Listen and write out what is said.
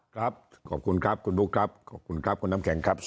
ครับขอบคุณครับคุณบุ๊คครับขอบคุณครับคุณน้ำแข็งครับ